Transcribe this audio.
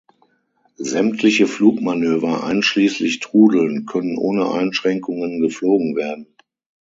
Sämtliche Flugmanöver, einschließlich trudeln, können ohne Einschränkungen geflogen werden.